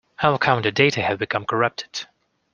How can the data have become corrupted?